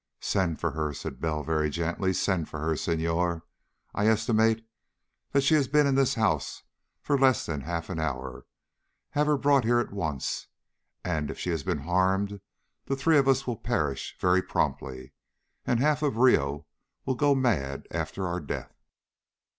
"Send for her," said Bell very gently. "Send for her, Senhor. I estimate that she has been in this house for less than half an hour. Have her brought here at once, and if she has been harmed the three of us will perish very promptly, and half of Rio will go mad after our death."